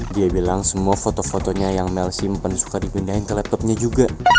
dia bilang semua foto fotonya yang mel simpen suka dipindahin ke laptopnya juga